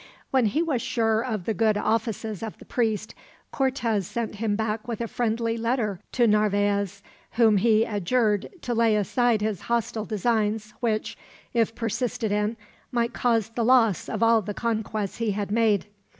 When he was sure of the good offices of the priest, Cortez sent him back with a friendly letter to Narvaez, whom he adjured to lay aside his hostile designs which, if persisted in, might cause the loss of all the conquests he had made.